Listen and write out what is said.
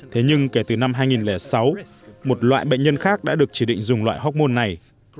thế nhưng kể từ năm hai nghìn sáu một loại bệnh nhân khác đã được chỉ định dùng loại hoc mon này